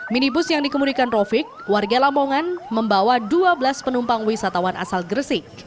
minibus yang dikemudikan rovik warga lamongan membawa dua belas penumpang wisatawan asal gresik